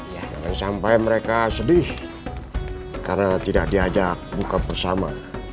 jangan sampai mereka sedih karena tidak diajak buka bersama